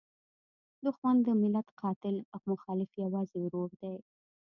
دوښمن د ملت قاتل او مخالف یوازې ورور دی.